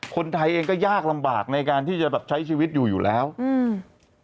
คนไทยเองก็ยากลำบากในการที่จะแบบใช้ชีวิตอยู่อยู่แล้วอืม